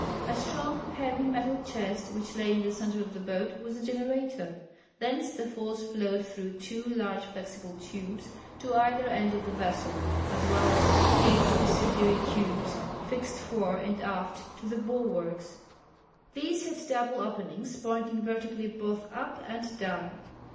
A strong heavy metal chest which lay in the centre of the boat was the generator. Thence the force flowed through two large flexible tubes to either end of the vessel, as well as through eight subsidiary tubes fixed fore and aft to the bulwarks. These had double openings pointing vertically both up and down.